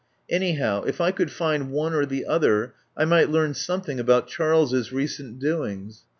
Anyhow, if I could find one or the other, I might learn something about Charles's recent doings.